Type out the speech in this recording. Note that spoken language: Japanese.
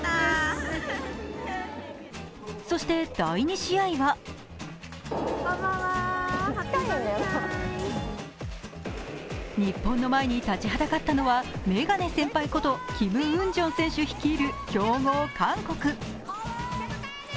そして第２試合は日本の前に立ちはだかったのはメガネ先輩ことキム・ウンジョン選手率いる強豪・韓国。